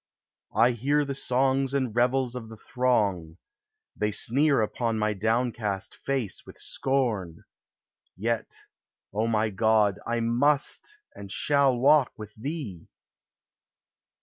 I hear the songs and revels of the throng, They sneer upon my downcast face with scorn, Yet, O my God, I must and shall walk with Thee!